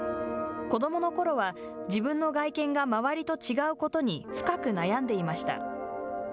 子どものころは自分の外見が周りと違うことに深く悩んでいました。